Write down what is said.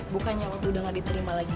bukannya waktu udah gak diterima lagi